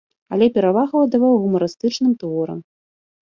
Але перавагу аддаваў гумарыстычным творам.